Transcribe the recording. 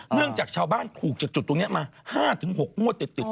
เนื่องจากชาวบ้านขูกจากจุดตรงนี้มา๕๖งวดติดแล้ว